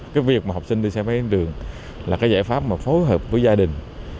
cái việc mà học sinh đi xe máy đến trường là cái giải pháp mà phối hợp với gia đình